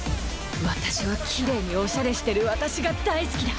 私はきれいにおしゃれしてる私が大好きだ。